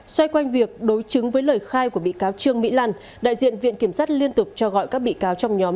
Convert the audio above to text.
xoay quanh việc đối chứng với lời khai của bị cáo trương mỹ lan đại diện viện kiểm sát liên tục cho gọi các bị cáo trong nhóm